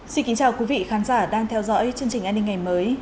xin kính chào quý vị khán giả đang theo dõi chương trình an ninh ngày mới